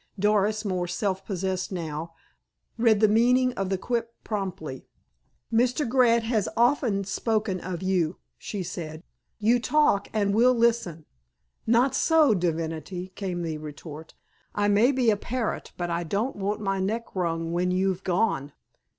Doris, more self possessed now, read the meaning of the quip promptly. "Mr. Grant has often spoken of you," she said. "You talk, and we'll listen." "Not so, divinity," came the retort. "I may be a parrot, but I don't want my neck wrung when you've gone."